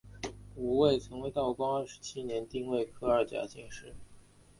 吴慰曾为道光二十七年丁未科二甲进士。